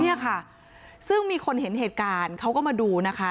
เนี่ยค่ะซึ่งมีคนเห็นเหตุการณ์เขาก็มาดูนะคะ